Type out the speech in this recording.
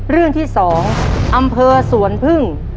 เรื่องที่๒อำเภอสวนพึ่ง